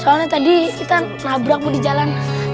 soalnya tadi kita nabrak bu di jalan